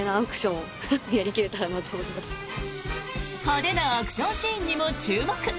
派手なアクションシーンにも注目。